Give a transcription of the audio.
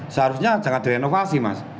seharusnya jangan direnovasi mas